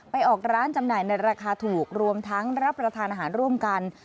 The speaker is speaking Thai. ออกร้านจำหน่ายในราคาถูกรวมทั้งรับประทานอาหารร่วมกัน